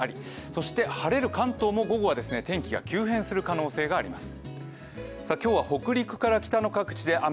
そして晴れる関東も午後は天気が急変する可能性もあります。